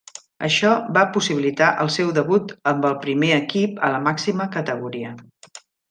Això va possibilitar el seu debut amb el primer equip a la màxima categoria.